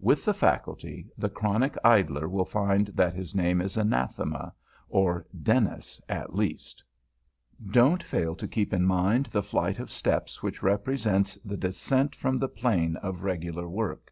With the Faculty, the chronic idler will find that his name is anathema, or Dennis at least. [Sidenote: THE DESCENT TO AVERNUS] Don't fail to keep in mind the flight of steps which represents the descent from the plane of regular work.